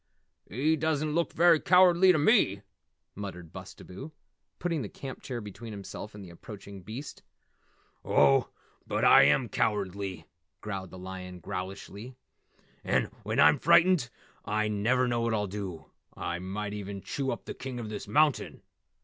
"He doesn't look very cowardly to me," muttered Bustabo, putting the camp chair between himself and the approaching beast. "Oh, but I am cowardly," growled the lion growlishly, "and when I'm frightened I never know what I'll do. I might even chew up the King of this Mountain!